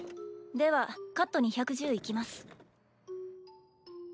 ではカット２１０いきます。